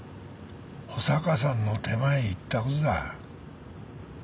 保坂さんの手前言ったことだ。